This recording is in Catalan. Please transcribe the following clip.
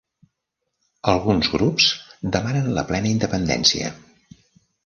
Alguns grups demanen la plena independència.